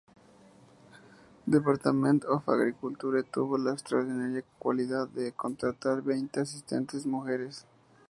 Department of Agriculture, tuvo la extraordinaria cualidad de contratar veinte asistentes mujeres.